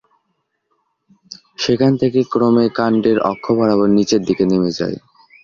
সেখান থেকে ক্রমে কান্ডের অক্ষ বরাবর নিচের দিকে নেমে যায়।